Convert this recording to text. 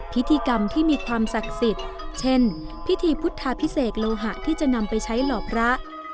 พิธีกรรมที่มีความศักดิ์สิทธิ์เช่นพิธีพุทธาพิเศษโลหะที่จะนำไปใช้หล่อพระ